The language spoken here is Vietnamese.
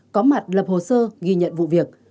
có mặt lập hồ sơ ghi nhận vụ việc